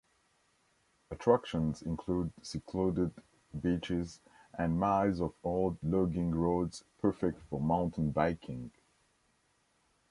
Attractions include secluded beaches and miles of old logging roads perfect for mountain biking.